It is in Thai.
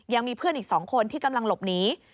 ยังมีเพื่อนอีก๒คนที่กำลังหลบหนี